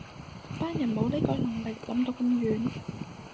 班人冇呢個能力諗到咁遠